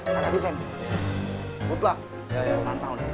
udah nanti sam butlak